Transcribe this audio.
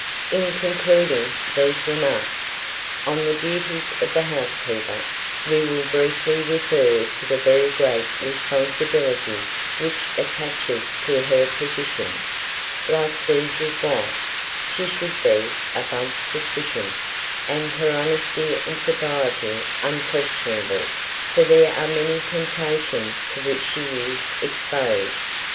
IN CONCLUDING THESE REMARKS on the duties of the housekeeper, we will briefly refer to the very great responsibility which attaches to her position. Like "Caesar's wife," she should be "above suspicion," and her honesty and sobriety unquestionable; for there are many temptations to which she is exposed.